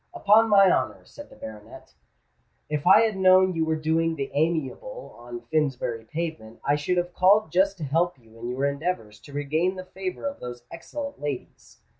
"Upon my honour," said the baronet, "if I had known you were doing the amiable on Finsbury Pavement, I should have called just to help you in your endeavours to regain the favour of those excellent ladies."